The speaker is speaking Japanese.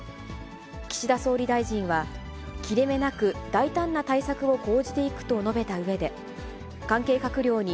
岸田総理大臣は、切れ目なく大胆な対策を講じていくと述べたうえで、関係閣僚に、